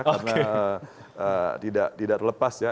karena tidak terlepas ya